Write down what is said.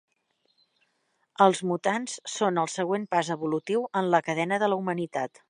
Els mutants són el següent pas evolutiu en la cadena de la humanitat.